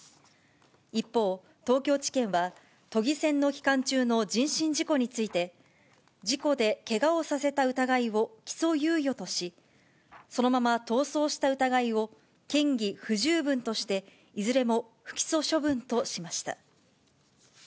一方、東京地検は、都議選の期間中の人身事故について、事故でけがをさせた疑いを起訴猶予とし、そのまま逃走した疑いを嫌疑不十分として、いずれも不起訴処分としました。